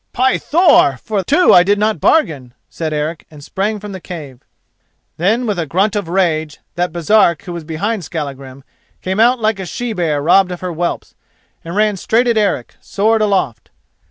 "By Thor! for two I did not bargain," said Eric, and sprang from the cave. Then, with a grunt of rage, that Baresark who was behind Skallagrim came out like a she bear robbed of her whelps, and ran straight at Eric, sword aloft.